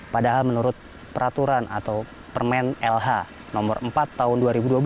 padahal menurut peraturan atau permen lh nomor empat tahun dua ribu dua belas